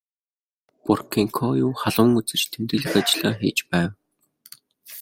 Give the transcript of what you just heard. Боркенкою халуун үзэж тэмдэглэх ажлаа хийж байв.